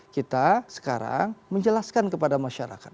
kita sekarang menjelaskan kepada masyarakat